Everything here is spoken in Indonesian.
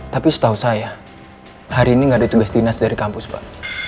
tapi setahu saya hari ini nggak ada tugas dinas dari kampus pak